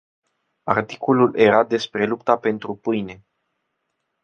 Articolul era despre lupta pentru pâine.